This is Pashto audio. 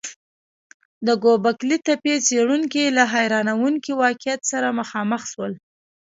د ګوبک لي تپې څېړونکي له حیرانوونکي واقعیت سره مخامخ شول.